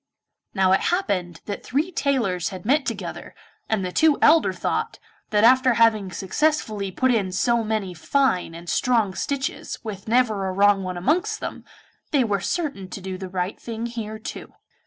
Now it happened that three tailors had met together, and the two elder thought, that after having successfully put in so many fine and strong stitches with never a wrong one amongst them, they were certain to do the right thing here too.